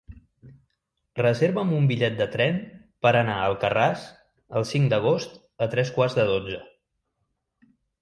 Reserva'm un bitllet de tren per anar a Alcarràs el cinc d'agost a tres quarts de dotze.